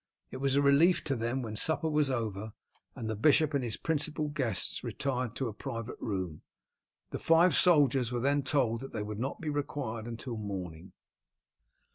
It was a relief to them when supper was over and the bishop and his principal guests retired to a private room. The five soldiers were then told that they would not be required until morning.